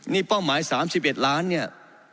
นี่เป้าหมาย๓๑ล้านเนี่ย